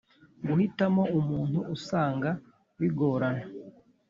guhitamo umuntu usanga bigorana